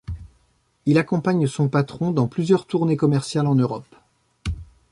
Il accompagne son patron dans plusieurs tournées commerciales en Europe.